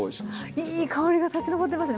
いい香りが立ち上ってますね。